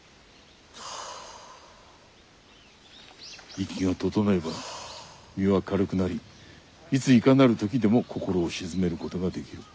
息が整えば身は軽くなりいついかなる時でも心を静めることができる。